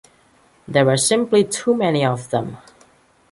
There were simply too many of them.